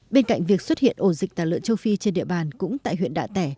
bên cạnh việc xuất hiện ổ dịch tà lợn châu phi trên địa bàn cũng tại huyện đạ tẻ